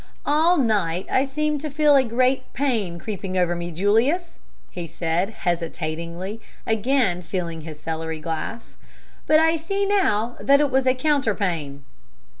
"All night I seemed to feel a great pain creeping over me, Julius," he said, hesitatingly, again filling his celery glass, "but I see now that it was a counterpane."